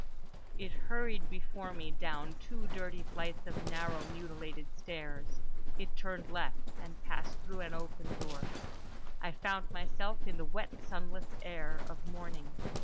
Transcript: It hurried before me down two dirty flights of narrow mutilated stairs. It turned left, and passed through an open door. I found myself in the wet sunless air of morning.